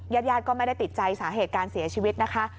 ญาติญาติก็ไม่ได้ติดใจสาเหตุการเสียชีวิตนะคะ